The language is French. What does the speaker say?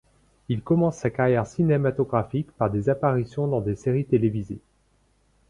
Il commença sa carrière cinématographique par des apparitions dans des séries télévisées.